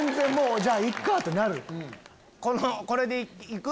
じゃあ。